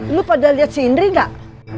eh lu pada liat si indri gak